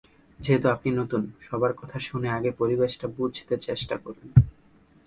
যেহেতু আপনি নতুন, সবার কথা শুনে আগে পরিবেশটা বুঝতে চেষ্টা করুন।